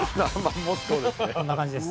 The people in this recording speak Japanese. こんな感じです。